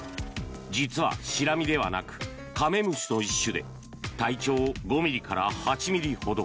実はシラミではなくカメムシの一種で体長５ｍｍから８ｍｍほど。